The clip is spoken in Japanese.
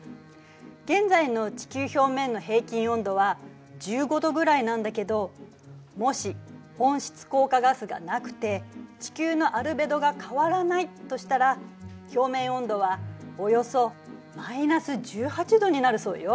現在の地球表面の平均温度は１５℃ぐらいなんだけどもし温室効果ガスがなくて地球のアルベドが変わらないとしたら表面温度はおよそマイナス１８℃になるそうよ。